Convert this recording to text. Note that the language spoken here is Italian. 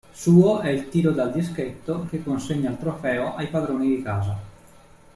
Suo è il tiro dal dischetto che consegna il trofeo ai padroni di casa.